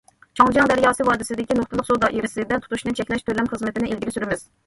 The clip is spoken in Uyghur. چاڭجياڭ دەرياسى ۋادىسىدىكى نۇقتىلىق سۇ دائىرىسىدە تۇتۇشنى چەكلەش تۆلەم خىزمىتىنى ئىلگىرى سۈرىمىز.